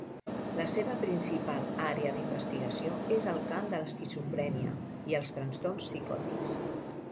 La seva principal àrea d'investigació és el camp de l'esquizofrènia i els trastorns psicòtics.